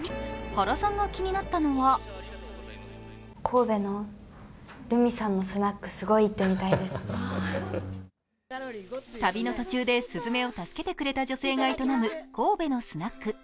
原さんが気になったのは旅の途中で鈴芽を助けてくれた女性が営むスナック。